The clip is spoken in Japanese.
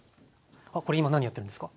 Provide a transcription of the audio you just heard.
これ今何やってるんですか？